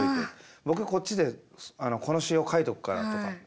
僕こっちでこの詞を書いとくからとか。